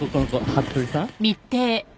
服部さん。